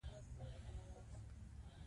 هغه دواړه لاسونه پر تندي ایښي و.